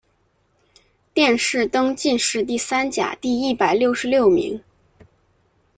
殿试登进士第三甲第一百六十六名。